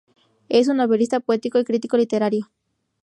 Es un novelista, poeta y crítico literario.